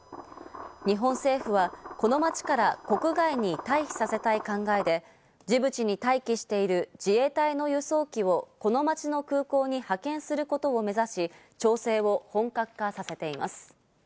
日本政府はこの街から国外に退避させたい考えでジブチに待機している自衛隊の輸送機をこの町の空港に派遣することを目指し、調整を本格化させています。